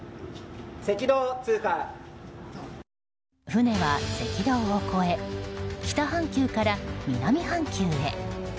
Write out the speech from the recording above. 船は赤道を越え北半球から南半球へ。